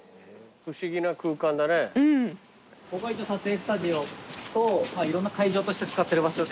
ここ一応撮影スタジオといろんな会場として使ってる場所で。